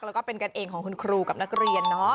แล้วก็เป็นกันเองของคุณครูกับนักเรียนเนอะ